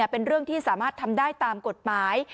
เป็นเรื่องที่สามารถทำได้ตามกฎหมาย